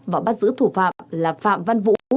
và bắt giữ thủ phạm là phạm văn vũ